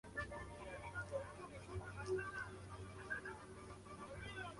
Theodore, William y Charles, desarrollaron el piano moderno.